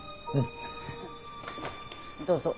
どうぞ。